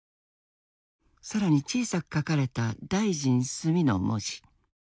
更に小さく書かれた「大臣スミ」の文字。